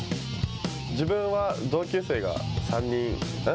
自分は同級生が３人ん？